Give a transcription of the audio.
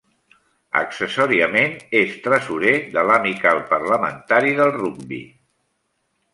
Accessòriament, és tresorer de l'Amical Parlamentari del Rugbi.